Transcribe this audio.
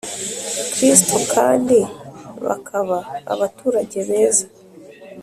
Kristo kand bakaba abaturage beza